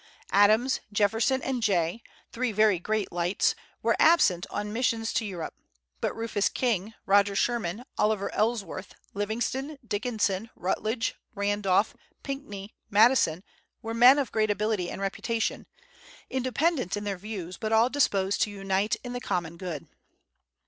Adams, Jefferson, and Jay, three very great lights, were absent on missions to Europe; but Rufus King, Roger Sherman, Oliver Ellsworth, Livingston, Dickinson, Rutledge, Randolph, Pinckney, Madison, were men of great ability and reputation, independent in their views, but all disposed to unite in the common good.